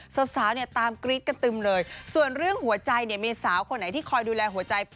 ก็กินข้าวครับมีของเล็กน้อยให้ครับผมใช่